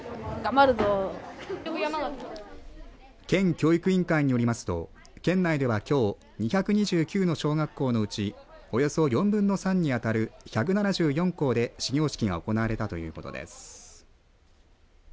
県教育委員会によりますと県内ではきょう、２２９の小学校のうちおよそ４分の３にあたる１７４校で始業式が行われたということです。